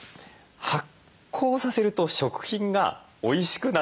発酵させると食品がおいしくなる。